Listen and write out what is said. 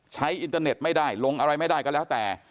อินเตอร์เน็ตไม่ได้ลงอะไรไม่ได้ก็แล้วแต่